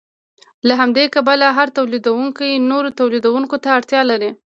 له همدې کبله هر تولیدونکی نورو تولیدونکو ته اړتیا لري